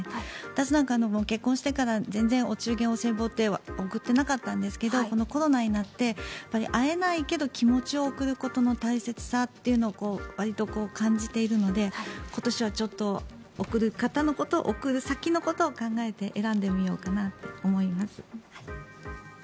私なんか結婚してから全然、お中元、お歳暮って贈ってなかったんですけどこのコロナになって会えないけど気持ちを贈ることの大切さというのをわりと感じているので今年はちょっと贈る方、贈る先のことを考えて選んでみようかなと思います。